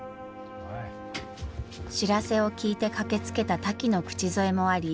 知らせを聞いて駆けつけたタキの口添えもあり